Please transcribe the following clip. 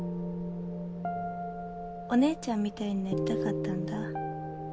お姉ちゃんみたいになりたかったんだ。